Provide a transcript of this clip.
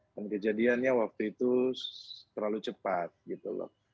kejadiannya waktu itu terlalu cepat gitu loh